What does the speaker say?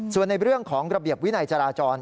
ส่วนในเรื่องของระเบียบวินัยจราจร